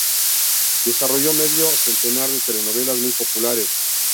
Desarrollo medio centenar de telenovelas muy populares.